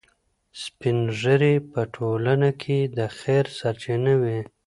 سپین ږیري په ټولنه کې د خیر سرچینه وي.